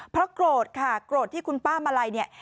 เพราะโกรธค่ะโกรธที่คุณป้ามาลัยเนี่ย